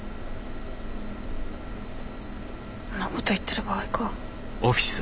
んなこと言ってる場合か。